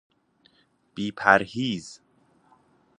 بی پرهیز